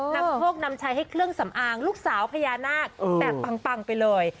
นำโชคนำชัยให้เครื่องสำอางลูกสาวพญานาคแบบปังไปเลย